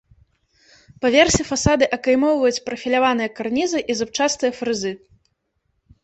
Па версе фасады акаймоўваюць прафіляваныя карнізы і зубчастыя фрызы.